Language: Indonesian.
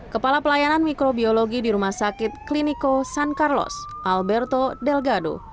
kepala pelayanan mikrobiologi di rumah sakit kliniko sancarlos alberto delgado